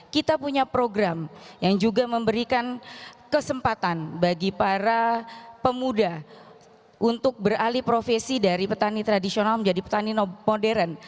kita punya program yang juga memberikan kesempatan bagi para pemuda untuk beralih profesi dari petani tradisional menjadi petani modern